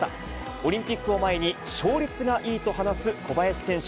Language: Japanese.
オリンピックを前に、勝率がいいと話す小林選手。